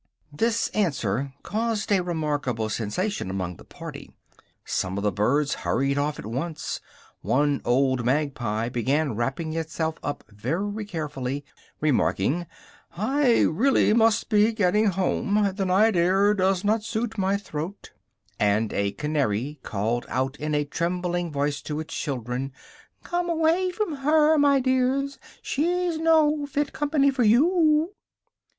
This answer caused a remarkable sensation among the party: some of the birds hurried off at once; one old magpie began wrapping itself up very carefully, remarking "I really must be getting home: the night air does not suit my throat," and a canary called out in a trembling voice to its children "come away from her, my dears, she's no fit company for you!"